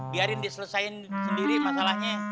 biarin diselesain sendiri masalahnya